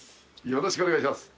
よろしくお願いします。